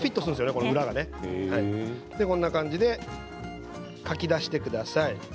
この裏がね。こんな感じでかき出してください。